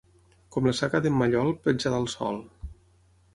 Com la saca d'en Mallol, penjada al sol.